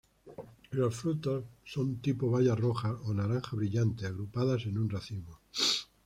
Los frutos son tipo baya rojas o naranja brillante, agrupadas en un racimo.